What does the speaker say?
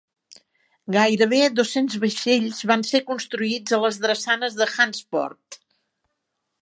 Gairebé dos-cents vaixells van ser construïts a les drassanes de Hantsport.